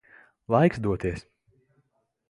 Laiks doties.